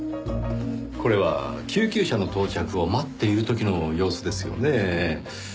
これは救急車の到着を待っている時の様子ですよねぇ。